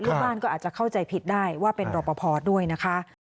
ลูกบ้านก็อาจจะเข้าใจผิดได้ว่าเป็นรอปภด้วยนะคะ